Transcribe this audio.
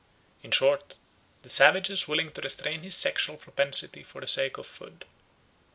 In short, the savage is willing to restrain his sexual propensity for the sake of food.